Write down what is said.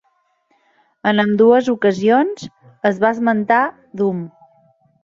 En ambdues ocasions, es va esmentar Doom.